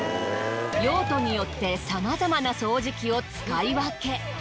用途によってさまざまな掃除機を使い分け。